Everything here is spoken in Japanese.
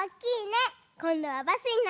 こんどはバスになるよ！